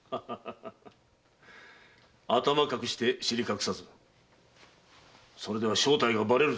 頭隠して尻隠さずそれでは正体がバレるぞ。